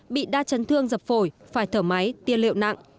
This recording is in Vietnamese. bị đa chấn thương dập phổi phải thở máy tiên liệu nặng